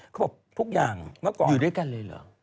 เขาบอกทุกอย่างเมื่อก่อนอยู่ด้วยกันเลยเหรอ